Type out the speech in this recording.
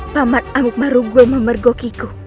paman amuk marubo memergokiku